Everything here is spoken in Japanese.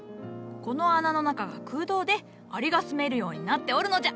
この穴の中が空洞でアリが住めるようになっておるのじゃ！